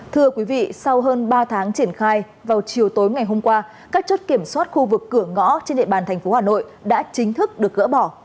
thưa quý vị sau hơn ba tháng triển khai vào chiều tối ngày hôm qua các chốt kiểm soát khu vực cửa ngõ trên địa bàn thành phố hà nội đã chính thức được gỡ bỏ